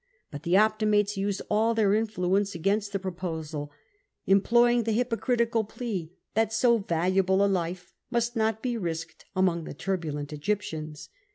But the Optimates used all their in fluence against the proposal, employing the hypocritical plea that so valuable a life must not be risked among the turbulent Egyptians.